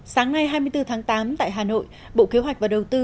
sáng nay hai mươi bốn tháng tám tại hà nội bộ kế hoạch và đầu tư